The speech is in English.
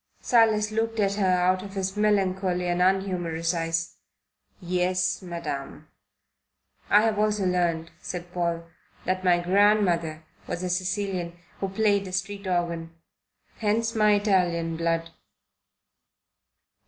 Silas looked at her out of his melancholy and unhumorous eyes. "Yes, Madam." "I have also learned," said Paul, "that my grandmother was a Sicilian who played a street organ. Hence my Italian blood."